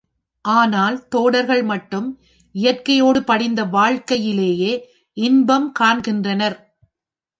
ஆனால் தோடர்கள் மட்டும் இயற்கையோடு படிந்த வாழ்க்கையிலேயே இன்பம் காண்கின்றனர்.